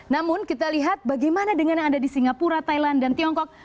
namun kita lihat bagaimana dengan yang ada di singapura thailand dan tiongkok